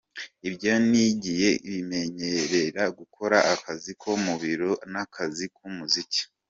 Ibyo nigiye binyemerera gukora akazi ko mubiro n’akazi k’umuziki.